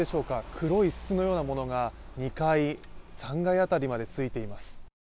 黒いすすのようなものが２階、３階辺りまでついています。